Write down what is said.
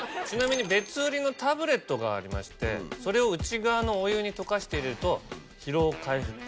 ちなみに別売りのタブレットがありましてそれを内側のお湯に溶かして入れると。